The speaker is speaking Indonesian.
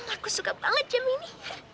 aku suka banget jam ini